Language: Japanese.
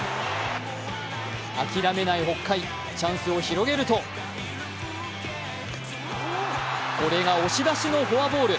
あきらめない北海、チャンスを広げるとこれが押し出しのフォアボール。